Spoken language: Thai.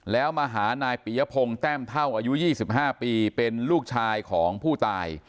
แล้วมาหานายปียพงศ์แต้มเท่าอายุ๒๕ปีเป็นลูกชายของผู้ตาย